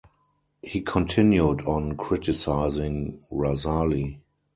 He continued on criticising Razali.